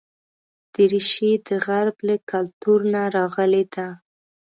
دریشي د غرب له کلتور نه راغلې ده.